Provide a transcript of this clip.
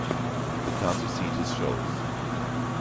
The county seat is Shoals.